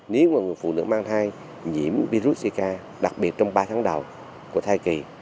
nếu phụ nữ mang thai nhiễm virus zika đặc biệt trong ba tháng đầu của thai kỳ